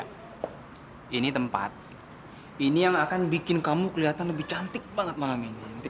hai ini tempat ini yang akan bikin kamu kelihatan lebih cantik banget malam ini